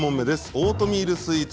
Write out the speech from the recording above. オートミールスイーツ